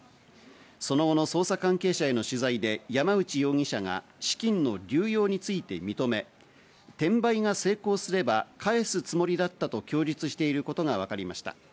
その後の捜査関係者への取材で山内容疑者が資金の流用について認め、転売が成功すれば返すつもりだったと供述していることがわかりました。